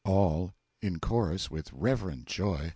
ALL. (In chorus with reverent joy.)